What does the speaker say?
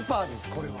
これは。